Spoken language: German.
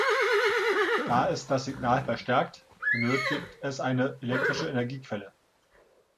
Da es das Signal verstärkt, benötigt es eine elektrische Energiequelle.